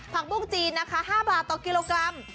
ผักบุ้งจีนนะคะ๕บาทต่อกิโลกรัม